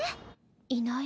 いない？